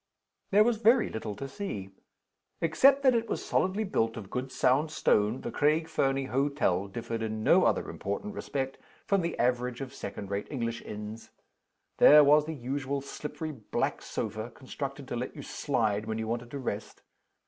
There was very little to see. Except that it was solidly built of good sound stone, the Craig Fernie hotel differed in no other important respect from the average of second rate English inns. There was the usual slippery black sofa constructed to let you slide when you wanted to rest.